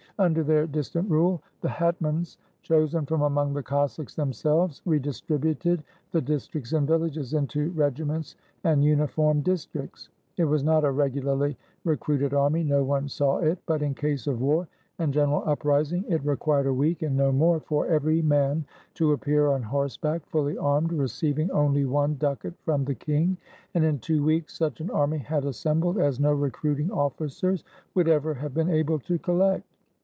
Under their dis tant rule, the hetmans, chosen from among the Cossacks themselves, redistributed the districts and villages into regiments and uniform districts. It was not a regularly recruited army, no one saw it; but in case of war and general uprising, it required a week, and no more, for every man to appear on horseback, fully armed, receiv 59 RUSSIA ing only one ducat from the king; and in two weeks such an army had assembled as no recruiting officers would ever have been able to collect.